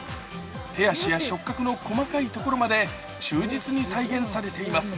手足や触角の細かいところまで忠実に再現されています。